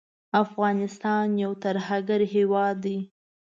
افغانستان یو ترهګر هیواد دی